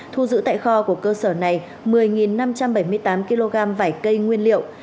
thu giữ tại kho của cơ sở này một mươi năm trăm bảy mươi tám kg vải cây nguyên liệu